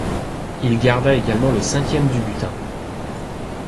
Il garda également le cinquième du butins.